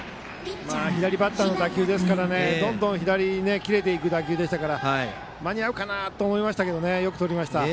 左バッターの打球ですからどんどん左に切れていく打球でしたから間に合うかなと思いましたけどよくとりました。